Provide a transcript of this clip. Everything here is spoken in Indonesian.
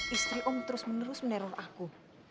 istri om terus menerus meneror aku